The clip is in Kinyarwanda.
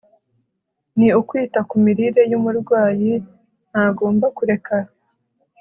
ni ukwita ku mirire yumurwayi Ntagomba kureka